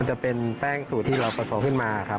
จะเป็นแป้งสูตรที่เราผสมขึ้นมาครับ